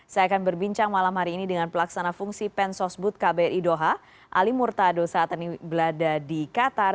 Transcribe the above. saya akan berbincang malam hari ini dengan pelaksana fungsi pensosbud kbri doha ali murtado saat ini berada di qatar